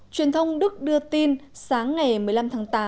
truyền thông đức đưa tin sáng ngày một mươi năm tháng tám